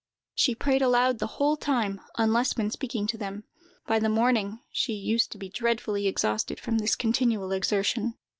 She prayed aloud the whole time, unless when speaking to them. By the morning, she used to be dreadfully exhausted, from this continual exertion.